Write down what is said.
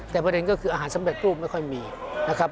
แต่ประเด็นก็คืออาหารสำเร็จรูปไม่ค่อยมีนะครับ